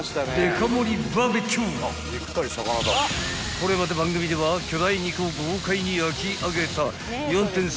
［これまで番組では巨大肉を豪快に焼き上げた］